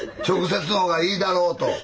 直接の方がいいだろうと。